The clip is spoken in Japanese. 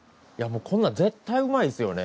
こんなん絶対うまいですよね。